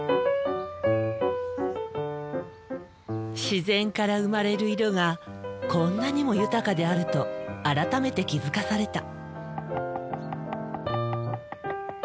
自然から生まれる色がこんなにも豊かであると改めて気付かされた。